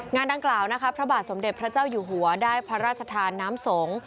งานดังกล่าวนะคะพระบาทสมเด็จพระเจ้าอยู่หัวได้พระราชทานน้ำสงฆ์